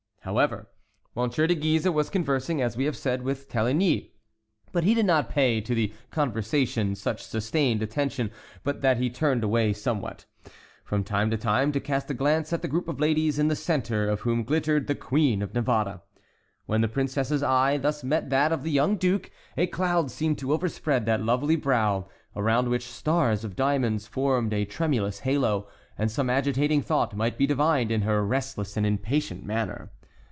However, M. de Guise was conversing, as we have said, with Téligny; but he did not pay to the conversation such sustained attention but that he turned away somewhat, from time to time, to cast a glance at the group of ladies, in the centre of whom glittered the Queen of Navarre. When the princess's eye thus met that of the young duke, a cloud seemed to over spread that lovely brow, around which stars of diamonds formed a tremulous halo, and some agitating thought might be divined in her restless and impatient manner.